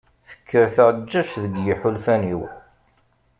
Tekker tɛeǧǧaǧǧt deg yiḥulfan-iw.